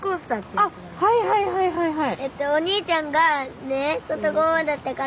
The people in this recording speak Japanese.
あっはいはいはいはいはい。